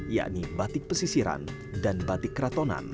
yakni batik pesisiran dan batik keratonan